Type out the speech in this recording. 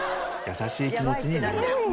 「優しい気持ちになりました